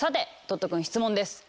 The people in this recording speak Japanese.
トットくん質問です。